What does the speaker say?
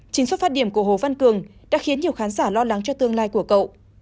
chính xuất phát điểm của hồ văn cường đã khiến nhiều khán giả lo lắng cho tương lai của cậu